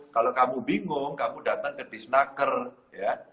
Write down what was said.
kalau kamu bingung kamu datang ke disnaker ya